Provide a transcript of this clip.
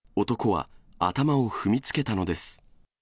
男は頭を踏みつけたのです。